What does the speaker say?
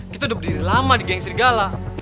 kita udah berdiri lama di geng serigala